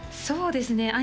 そうですね